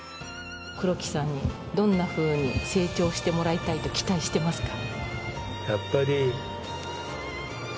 黒木さんにどんなふうに成長してもらいたいと期待してますか？